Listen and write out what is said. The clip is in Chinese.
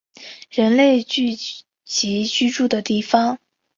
人类聚集居住的地方